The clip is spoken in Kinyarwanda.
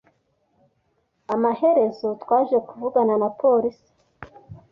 Amaherezo, twaje kuvugana na polisi.